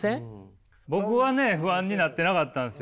僕はね不安になってなかったんですよ。